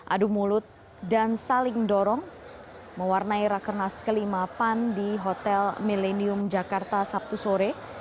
adu mulut dan saling dorong mewarnai rakenas kelimapan di hotel millennium jakarta sabtu sore